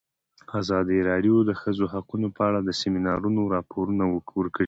ازادي راډیو د د ښځو حقونه په اړه د سیمینارونو راپورونه ورکړي.